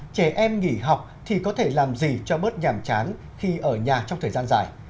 trẻ em nghỉ học thì có thể làm gì cho bớt nhàm chán khi ở nhà trong thời gian dài